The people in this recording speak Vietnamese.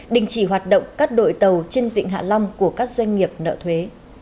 đình chỉ hoạt động các đội tàu trên vịnh hạ long của các doanh nghiệp nợ thuế